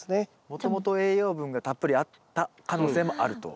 もともと栄養分がたっぷりあった可能性もあると。